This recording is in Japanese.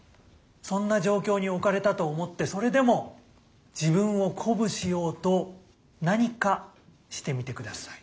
そんな状況に置かれたと思ってそれでも自分を鼓舞しようと何かしてみてください。